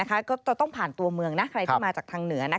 ก็จะต้องผ่านตัวเมืองใครที่มาจากทางเหนือ